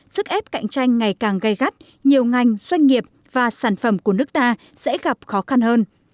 sức ép cạnh tranh ngày càng gây gắt nhiều ngành doanh nghiệp và sản phẩm của nước ta sẽ gặp khó khăn hơn